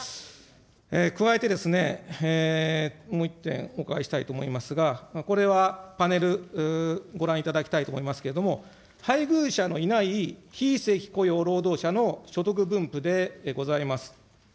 加えて、もう１点、お伺いしたいと思いますが、これはパネルご覧いただきたいと思いますけれども、配偶者のいない非正規雇用労働者の所得分布でございます。